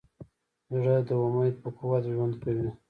زړه د امید په قوت ژوند کوي.